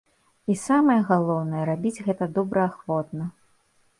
І самае галоўнае, рабіць гэта добраахвотна.